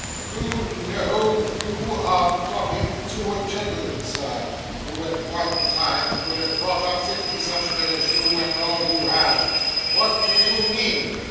Do you know that you are talking to a gentleman, sir, who at one time could have bought up fifty such men as you and all you have? What do you mean?